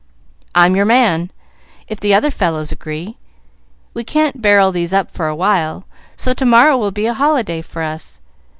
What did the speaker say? "I'm your man, if the other fellows agree. We can't barrel these up for a while, so to morrow will be a holiday for us.